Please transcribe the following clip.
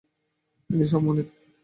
তিনি সম্মানিত।